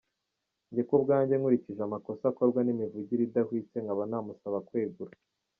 Njye ku bwanjye nkurikije amakosa akorwa n’imivugire idahwitse nkaba namusaba kwegura.